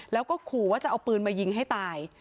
แล้วก็ขู่ว่าจะเอาปืนมายิงให้ตาย